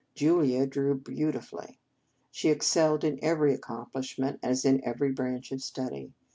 Julia drew beautifully. She ex celled in every accomplishment, as in every branch of study.